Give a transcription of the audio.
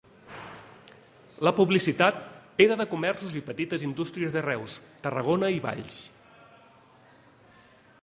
La publicitat era de comerços i petites indústries de Reus, Tarragona i Valls.